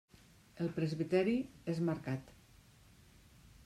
El presbiteri és marcat.